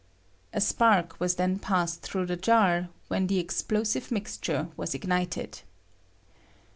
[A spark was then passed through the jar, when the explosive mixture was ignited.